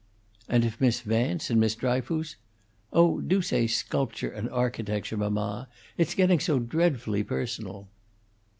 "And if Miss Vance and Miss Dryfoos " "Oh, do say Sculpture and Architecture, mamma! It's getting so dreadfully personal!"